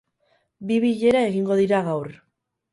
Bi bilera egingo dira gaur.